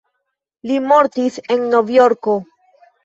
Li mortis en Novjorko.